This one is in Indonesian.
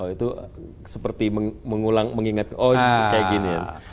itu seperti mengulang mengingat oh kayak gini ya